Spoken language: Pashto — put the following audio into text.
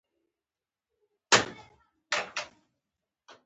د بیت المقدس زوړ ښار په همدې تاریخي کلا کې دی.